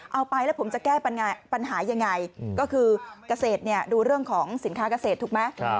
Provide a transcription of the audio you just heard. เอาไปแล้วผมจะแก้ปัญหายังไงก็คือเกษตรดูเรื่องของสินค้าเกษตรถูกไหม